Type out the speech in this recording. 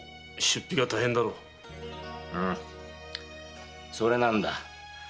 うんそれなんだ。